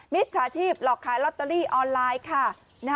จฉาชีพหลอกขายลอตเตอรี่ออนไลน์ค่ะ